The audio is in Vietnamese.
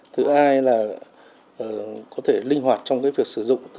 thứ hai là đối với khách hàng thì đây là nơi giữ tiền cho khách hàng an toàn